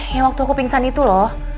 yang waktu aku pingsan itu loh